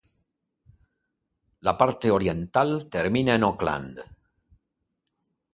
La parte oriental termina en Oakland.